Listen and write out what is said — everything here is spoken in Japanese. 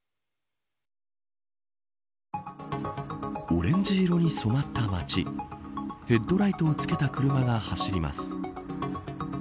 オレンジ色に染まった街ヘッドライトをつけた車が走ります。